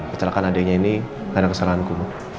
kecelakaan adanya ini karena kesalahanku